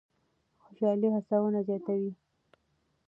خوشالي هڅونه زیاتوي.